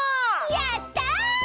やった！